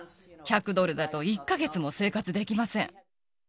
１００ドルだと１か月も生活できません。